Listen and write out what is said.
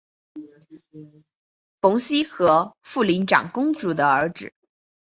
冯熙和博陵长公主的儿子。